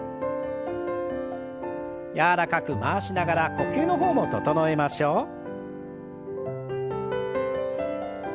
柔らかく回しながら呼吸の方も整えましょう。